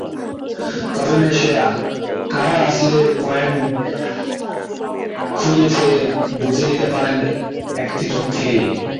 তবে ম্যাচে কারা আসলে পয়েন্ট খুইয়েছে, বুঝে নিতে পারেন একটি তথ্যেই।